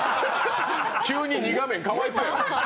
急に２画面、かわいそうやろ。